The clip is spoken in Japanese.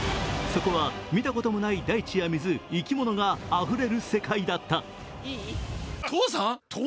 そこは見たこともない大地や水、生き物があふれる世界だった。